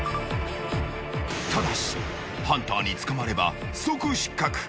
ただし、ハンターに捕まれば即失格。